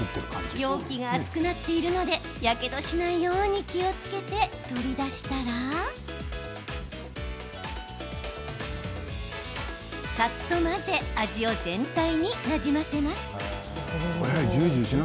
容器が熱くなっているのでやけどしないように気をつけて取り出したら、さっと混ぜ味を全体になじませます。